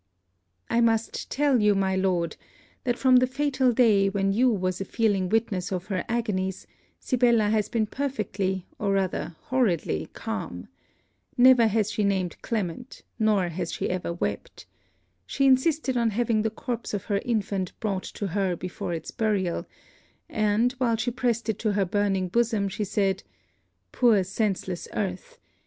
I must tell you, my Lord, that from the fatal day when you was a feeling witness of her agonies, Sibella has been perfectly or rather horridly calm. Never has she named Clement; nor has she ever wept. She insisted on having the corpse of her infant brought to her before its burial; and, while she pressed it to her burning bosom, she said 'Poor senseless earth!